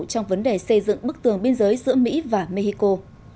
trong vấn đề xây dựng bức tường biên giới giữa mỹ và mexico